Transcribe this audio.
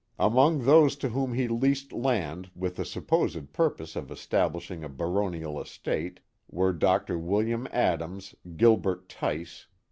Among those to whom he leased land with the supposed purpose of establish ing a baronial estate, were Dr. William Adams, Gilbert Tice.